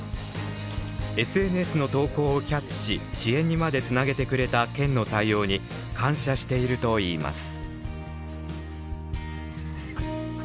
ＳＮＳの投稿をキャッチし支援にまでつなげてくれた県の対応に感謝しているといいます。